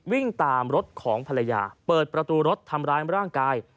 วิ่งตามรถของภรรยาเปิดประตูรถทำร้ายร่างกาย